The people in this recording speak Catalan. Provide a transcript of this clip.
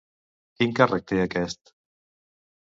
Quin càrrec té aquest?